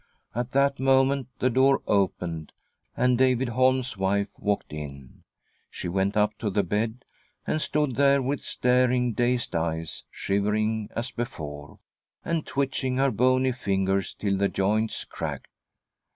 At that moment the door opened and David Holm's wife walked in. She went up to the bed, and stood there with staring, dazed eyes, shivering as before, and twitching her bony fingers till the joints cracked.